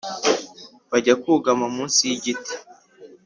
bajya kugama mutsi yi giti